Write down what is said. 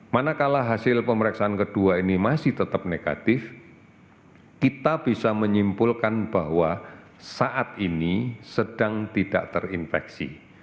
manakala hasil pemeriksaan kedua ini masih tetap negatif kita bisa menyimpulkan bahwa saat ini sedang tidak terinfeksi